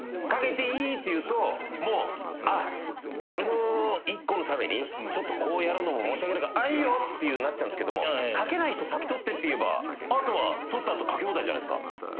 「かけていい？」って言うともう俺の１個のためにこうやるのも申し訳ないからあっいいよってなっちゃうんですけども「かけない人先取って」って言えばあとは取った後かけ放題じゃないですか。